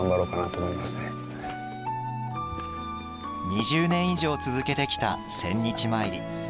２０年以上続けてきた千日詣り。